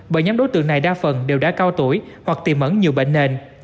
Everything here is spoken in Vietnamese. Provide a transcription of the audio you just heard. bởi nhóm đối tượng này đa phần đều đã cao tuổi hoặc tìm mẫn nhiều bệnh nền